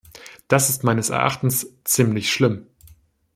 Das ist meines Erachtens ziemlich schlimm.